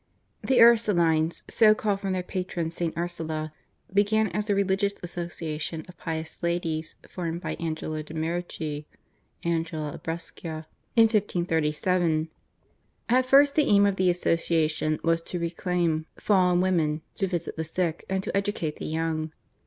The Ursulines, so called from their patron St. Ursula, began as a religious association of pious ladies formed by Angela de' Merici (Angela of Brescia) in 1537. At first the aim of the association was to reclaim fallen women, to visit the sick, and to educate the young.